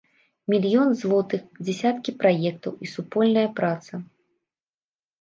Мільёны злотых, дзясяткі праектаў і супольная праца.